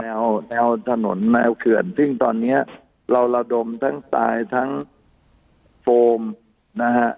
แนวแนวถนนแนวเขื่อนซึ่งตอนเนี้ยเราระดมทั้งทรายทั้งโฟมนะฮะ